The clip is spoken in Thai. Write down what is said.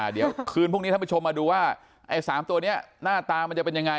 เดี๋ยวคืนพรุ่งนี้ท่านผู้ชมมาดูว่าไอ้๓ตัวนี้หน้าตามันจะเป็นยังไง